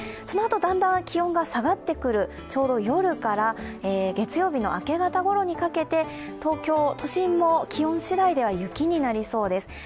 そのあとだんだん気温が下がってくる、ちょうど夜から月曜日の明け方ごろにかけて東京都心も気温しだいでは雪になりそうです。